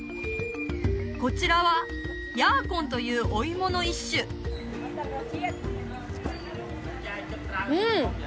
こちらはヤーコンというお芋の一種うん！